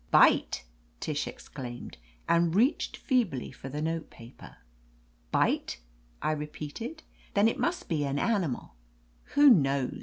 "Bite !" Tish exclaimed, and reached feebly for the note paper. "Bite!" I repeated. "Then it must be an animal — I" "Who knows?"